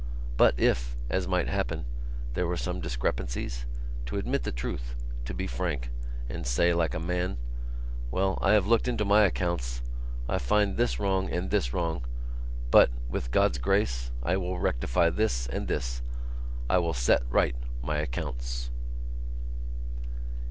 But if, as might happen, there were some discrepancies, to admit the truth, to be frank and say like a man: "Well, I have looked into my accounts. I find this wrong and this wrong. But, with God's grace, I will rectify this and this. I will set right my accounts."